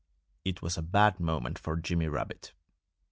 It was a bad moment for Jimmy Rabbit.